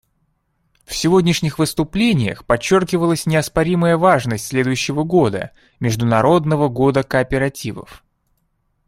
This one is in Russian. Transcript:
В сегодняшних выступлениях подчеркивалась неоспоримая важность следующего года, Международного года кооперативов.